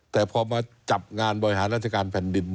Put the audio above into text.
แต่พอมาจับงานบริหารราชการแผ่นดิน